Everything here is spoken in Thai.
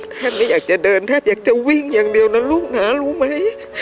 แทบไม่อยากจะเดินแทบอยากจะวิ่งอย่างเดียวนะลูกนะรู้ไหม